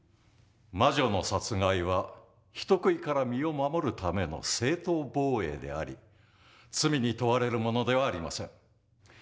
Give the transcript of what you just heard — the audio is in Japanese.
魔女の殺害は人食いから身を守るための正当防衛であり罪に問われるものではありません。